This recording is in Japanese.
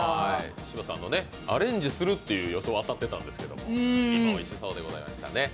柴田さんのアレンジするという予想は当たってたんですけどおいしそうでしたね。